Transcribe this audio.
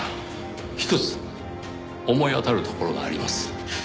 ひとつ思い当たる所があります。